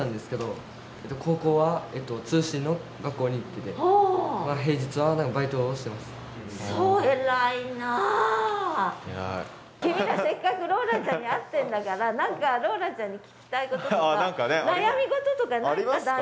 君らせっかくローランちゃんに会ってんだから何かローランちゃんに聞きたいこととかありますか？